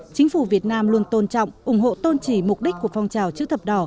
chính phủ việt nam luôn tôn trọng ủng hộ tôn trì mục đích của phong trào chữ thập đỏ